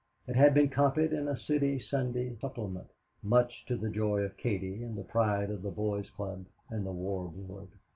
It had been copied in a city Sunday supplement, much to the joy of Katie and the pride of the Boys' Club and the War Board.